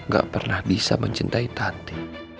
gak pernah bisa mencintai tati